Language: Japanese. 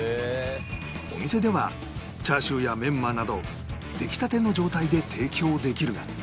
お店ではチャーシューやメンマなど出来たての状態で提供できるが